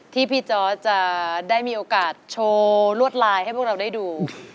ที่พี่จอร์ดจะได้มีโอกาสโชว์ลวดลายให้พวกเราได้ดู